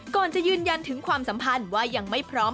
ก่อนจะยืนยันถึงความสัมพันธ์ว่ายังไม่พร้อม